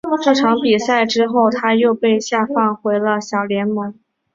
这场比赛之后他又被下放回了小联盟。